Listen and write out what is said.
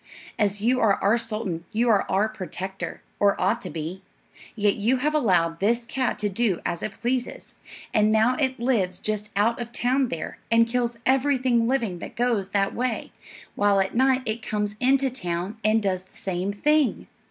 As you are our sultan you are our protector, or ought to be, yet you have allowed this cat to do as it pleases, and now it lives just out of town there, and kills everything living that goes that way, while at night it comes into town and does the same thing.